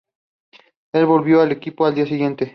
Él volvió al equipo al día siguiente.